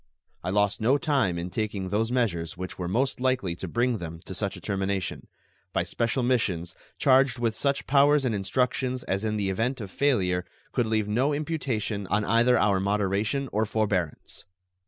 I lost no time in taking those measures which were most likely to bring them to such a termination by special missions charged with such powers and instructions as in the event of failure could leave no imputation on either our moderation or forbearance.